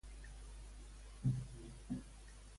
Què comenta Martín-Subero que han esbrinat?